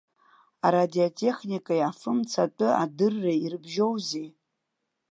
Арадиотехникеи афымца атәы адырреи ирыбжьоузеи?